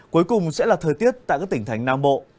cuối cùng sẽ là thời tiết tại các tỉnh thành nam bộ